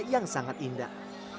yang sangat indah